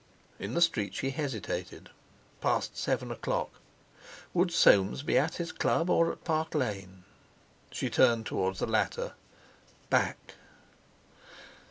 In the street she hesitated. Past seven o'clock! Would Soames be at his Club or at Park Lane? She turned towards the latter. Back!